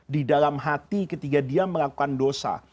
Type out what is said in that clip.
di dalam hati ketika dia melakukan dosa